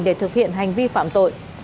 để thực hiện hành vi phạm tội